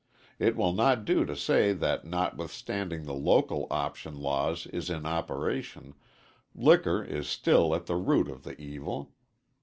It will not do to say that notwithstanding the local option law is in operation, liquor is still at the root of the evil.